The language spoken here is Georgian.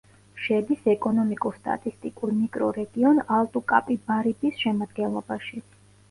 შედის ეკონომიკურ-სტატისტიკურ მიკრორეგიონ ალტუ-კაპიბარიბის შემადგენლობაში.